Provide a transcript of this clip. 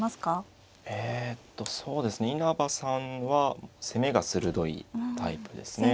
えとそうですね稲葉さんは攻めが鋭いタイプですね。